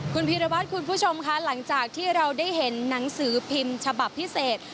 คุณพีรวัตรคุณผู้ชมค่ะหลังจากที่เราได้เห็นหนังสือพิมพ์ฉบับพิเศษ